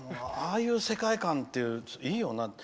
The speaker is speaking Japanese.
ああいう世界観っていいよな。